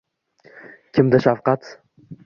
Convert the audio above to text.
Kimda shafqat